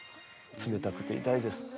冷たくて痛いです。